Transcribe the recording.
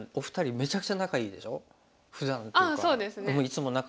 めちゃくちゃ仲いいでしょ？ふだんというか。